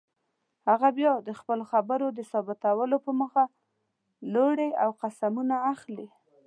هغه بیا د خپلو خبرو د ثابتولو په موخه لوړې او قسمونه اخلي.